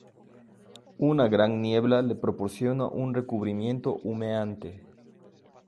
Una gran niebla le proporciona un recubrimiento humeante.